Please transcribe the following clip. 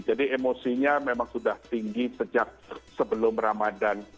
jadi emosinya memang sudah tinggi sejak sebelum ramadan